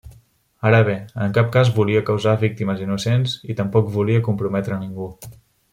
Ara bé, en cap cas volia causar víctimes innocents i tampoc volia comprometre ningú.